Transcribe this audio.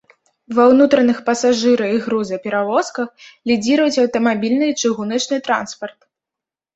Ва ўнутраных пасажыра- і грузаперавозках лідзіруюць аўтамабільны і чыгуначны транспарт.